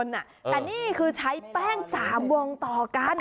แต่นี่คือใช้แป้ง๓วงต่อกัน